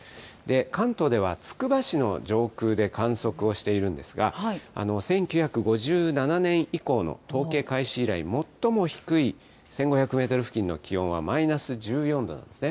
関東ではつくば市の上空で観測をしているんですが、１９５７年以降の統計開始以来、最も低い１５００メートル付近の気温はマイナス１４度なんですね。